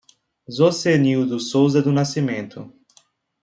Zosenildo Souza do Nascimento